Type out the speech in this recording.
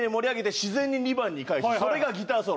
それがギターソロ。